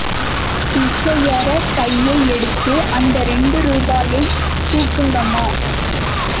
பிசையற கையை எடுத்து அந்த ரெண்டு ரூபாயைத் தூக்குங்கம்மா.